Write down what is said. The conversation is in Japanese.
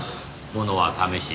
物は試し。